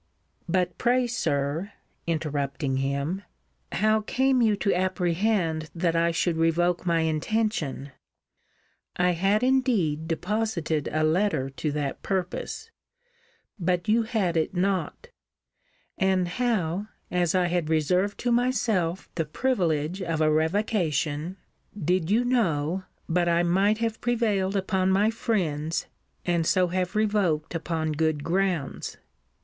But pray, Sir, interrupting him, how came you to apprehend that I should revoke my intention? I had indeed deposited a letter to that purpose; but you had it not: and how, as I had reserved to myself the privilege of a revocation, did you know, but I might have prevailed upon my friends, and so have revoked upon good grounds?